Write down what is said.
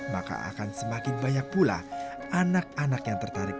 maka akan semakin banyak pula anak anak yang tertarik